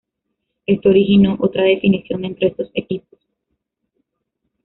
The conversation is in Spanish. Esto originó otra definición entre estos equipos.